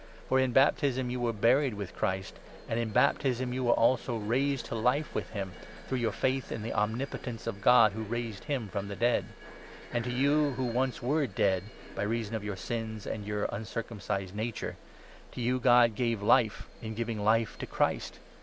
For in baptism 12 you were buried with Christ ; and in baptism you were also raised to Life with him, through your faith in the omnipotence of God, who raised him from the dead. And to you, who 13 once were ' dead, ' by reason of your sins and your uncircum cised nature — to you God gave Life in giving life to Christ